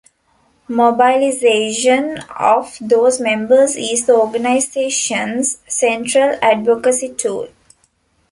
Mobilization of those members is the organization's central advocacy tool.